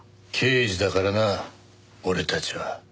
刑事だからな俺たちは。